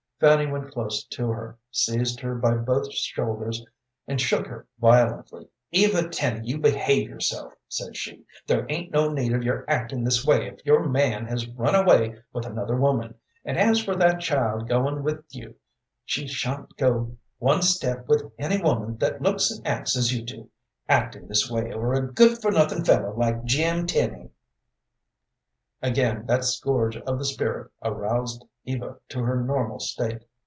Fanny went close to her, seized her by both shoulders, and shook her violently. "Eva Tenny, you behave yourself!" said she. "There ain't no need of your acting this way if your man has run away with another woman, and as for that child goin' with you, she sha'n't go one step with any woman that looks and acts as you do. Actin' this way over a good for nothin' fellow like Jim Tenny!" Again that scourge of the spirit aroused Eva to her normal state.